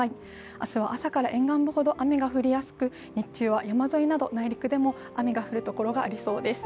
明日は朝から沿岸部ほど雨が降りやすく日中は山沿いなど、内陸でも雨が降るところがありそうです。